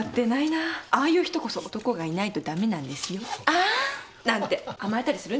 「あん」なんて甘えたりするんですよ